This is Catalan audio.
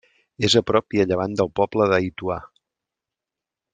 És a prop i a llevant del poble d'Aituà.